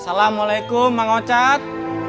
assalamualaikum mang ocad